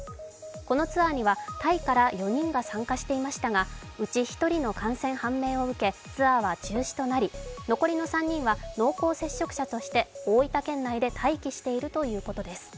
このツアーにはタイから４人が参加していましたが、うち１人の感染判明を受け、ツアーは中止となり残りの３人は濃厚接触者として大分県内で待機しているということです。